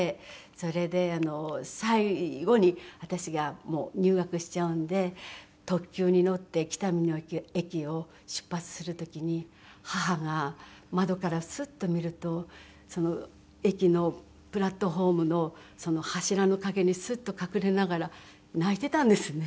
それで最後に私が入学しちゃうんで特急に乗って北見の駅を出発する時に母が窓からスッと見ると駅のプラットホームの柱の陰にスッと隠れながら泣いていたんですね。